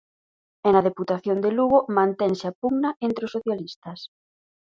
E na Deputación de Lugo mantense a pugna entre os socialistas.